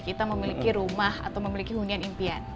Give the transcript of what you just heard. kita memiliki rumah atau memiliki hunian impian